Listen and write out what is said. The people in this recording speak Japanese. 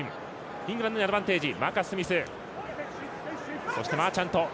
イングランドにアドバンテージ。